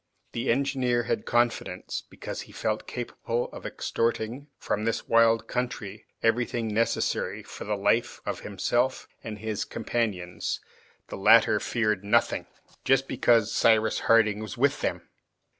The engineer had confidence, because he felt capable of extorting from this wild country everything necessary for the life of himself and his companions; the latter feared nothing, just because Cyrus Harding was with them.